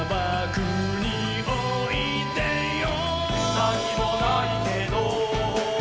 「なにもないけど」